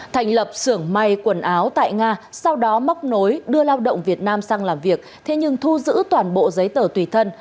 thành lập xưởng may quần áo tại nga sau đó móc nối đưa lao động việt nam sang làm việc thế nhưng thu giữ toàn bộ giấy tờ tùy thân